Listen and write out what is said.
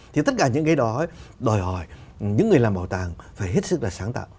thì tất cả những cái đó đòi hỏi những người làm bảo tàng phải hết sức là sáng tạo